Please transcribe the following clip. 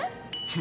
フ！